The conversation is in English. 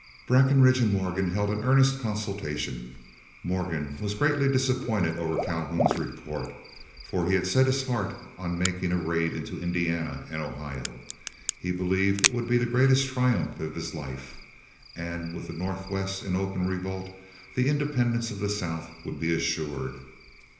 Breckinridge and Morgan held an earnest consultation. Morgan was greatly disappointed over Calhoun's report, for he had set his heart on making a raid into Indiana and Ohio. He believed it would be the greatest triumph of his life, and with the Northwest in open revolt, the independence of the South would be assured.